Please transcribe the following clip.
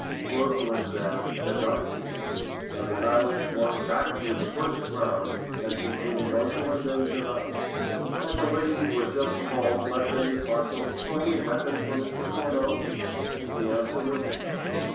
Rosalind, then, had not seen him; and the battle swung back to its first ground as between Rosalind and Janoc. Had the lady who had just called left any parcel, or any weapon for Mr. Furneaux? The answer was "No."